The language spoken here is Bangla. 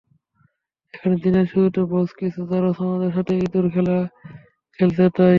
এখানে, দিনের শুরুতে বস, কিছু জারজ আমাদের সাথে ইঁদুর খেলা খেলছে তাই?